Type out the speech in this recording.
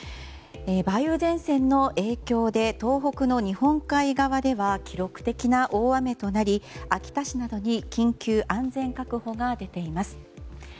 梅雨前線の影響で東北の日本海側では記録的な大雨となり秋田市などに緊急安全確保が出ています。